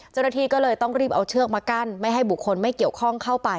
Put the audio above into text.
เจ้าหน้าที่ก็เลยต้องรีบเอาเชือกมากั้นไม่ให้บุคคลไม่เกี่ยวข้องเข้าไป